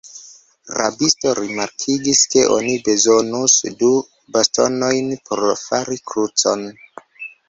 Rabisto rimarkigis, ke oni bezonus du bastonojn por fari krucon.